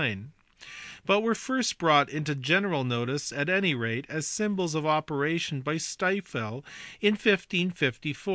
210), but were first brought into general notice, at any rate as symbols of operation, by Stifel in 1554 (see below, p.